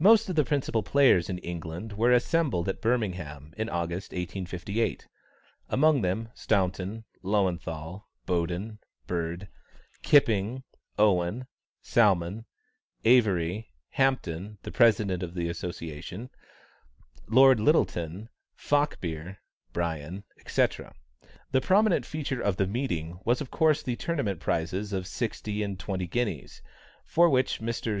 Most of the principal players in England were assembled at Birmingham, in August, 1858. Amongst them, Staunton, Löwenthal, Boden, Bird, Kipping, Owen, Salmon, Avery, Hampton, the President of the Association, Lord Lyttelton, Falkbeer, Brien, etc. The prominent feature of the meeting was of course the tournament prizes of sixty and twenty guineas, for which Messrs.